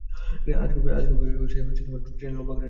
আজগুবি টেনে লম্বা করে নাই।